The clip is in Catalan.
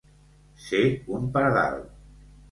Ser un pardal.